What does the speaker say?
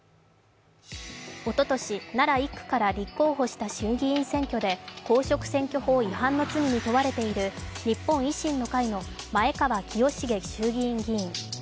おととし奈良１区から立候補した衆議院選挙で公職選挙法違反の罪に問われている日本維新の会の前川清成衆議院議員。